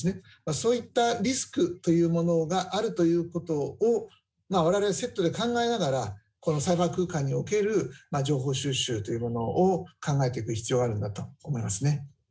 そういったリスクというものがあるということを我々はセットで考えながらこのサイバー空間における情報収集というものを考えていく必要があるんだと思いますね。